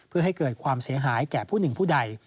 เพื่อให้เกิดความเสียหายแก่ผู้หนึ่งผู้ใด